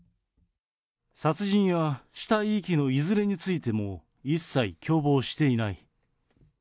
殺人や死体遺棄のいずれについても、一切共謀していない。